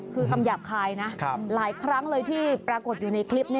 คือคำหยาบคายนะหลายครั้งเลยที่ปรากฏอยู่ในคลิป